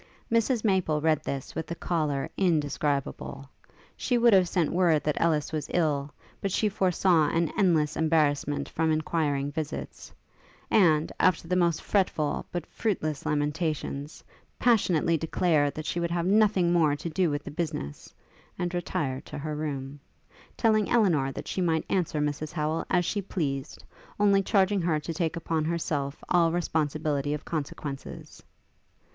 Mrs Maple read this with a choler indescribable. She would have sent word that Ellis was ill, but she foresaw an endless embarrassment from inquiring visits; and, after the most fretful, but fruitless lamentations, passionately declared that she would have nothing more to do with the business, and retired to her room; telling Elinor that she might answer Mrs Howel as she pleased, only charging her to take upon herself all responsibility of consequences.